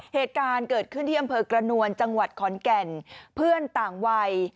เหตุการณ์เกิดขึ้นที่อำเภอกระนวลจังหวัดขอนแก่นเพื่อนต่างวัย